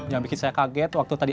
yang bikin saya kaget waktu tadi